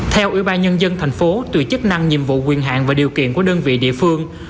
theo ủy ban nhân dân thành phố tùy chức năng nhiệm vụ quyền hạn và điều kiện của đơn vị địa phương